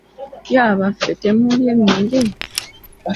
Ye abaffe, temuulye mmere?